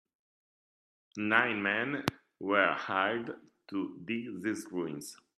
Nine men were hired to dig the ruins.